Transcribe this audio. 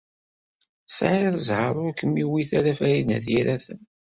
Tesɛid zzheṛ ur kem-iwit ara Farid n At Yiraten.